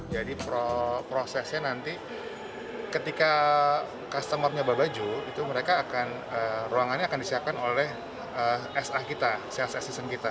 jadi prosesnya nanti ketika customer nyoba baju ruangannya akan disiapkan oleh sa kita sales assistant kita